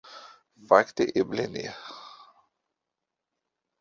Fakte, eble ne.